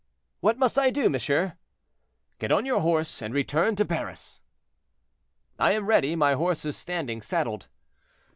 "—"What must I do, monsieur?" "Get on your horse and return to Paris." "I am ready; my horse is standing saddled."